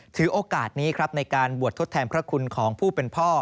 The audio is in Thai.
ถือโอกาสนี้ครับในการบวชทดแทนพระคุณของผู้เป็นพ่อ